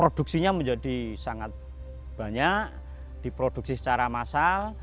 produksinya menjadi sangat banyak diproduksi secara massal